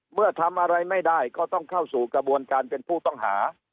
เมื่อทำอะไรไม่ได้ก็ต้องเข้าสู่กระบวนการเป็นผู้ต้องหา